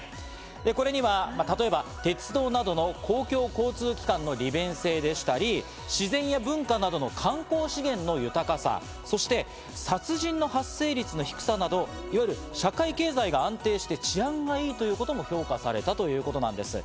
これには例えば鉄道などの公共交通機関の利便性でしたり、自然や文化などの観光資源の豊かさ、そして殺人の発生率の低さなど、いわゆる社会経済が安定して治安が良いということも評価されたということなんです。